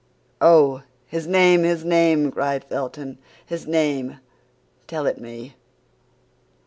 '" "Oh, his name, his name!" cried Felton. "His name, tell it me!"